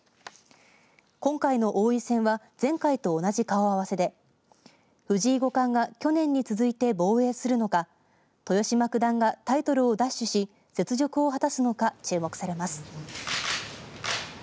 今回の王位戦は前回と同じ顔合わせで藤井五冠が去年につづいて防衛するのか豊島九段がタイトルを奪取し雪辱を果たすのか注目されます。